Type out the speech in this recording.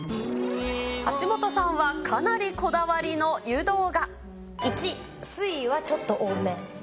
橋本さんはかなりこだわりの１、水位はちょっと多め。